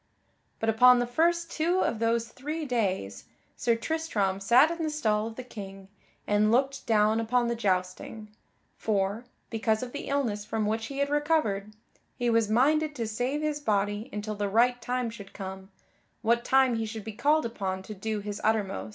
But upon the first two of those three days Sir Tristram sat in the stall of the King and looked down upon the jousting, for, because of the illness from which he had recovered, he was minded to save his body until the right time should come, what time he should be called upon to do his uttermost.